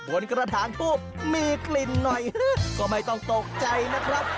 กระถางทูบมีกลิ่นหน่อยก็ไม่ต้องตกใจนะครับ